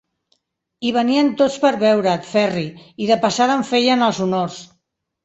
Hi venien tots per veure't, Ferri, i de passada em feien els honors.